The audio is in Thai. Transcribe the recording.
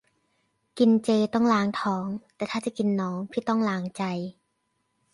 กินเจต้องล้างท้อง แต่ถ้าจะกินน้อง พี่ต้องล้างใจ